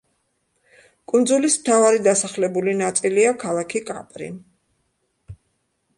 კუნძულის მთავარი დასახლებული ნაწილია ქალაქი კაპრი.